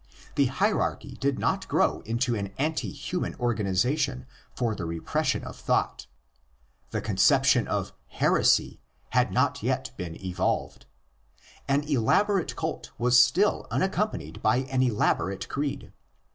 The hierarchy did not grow into an anti human organisation for the repression of thought. The conception of ''heresy'' had not yet been evolved. An elaborate cult was still unaccompanied by an elaborate creed.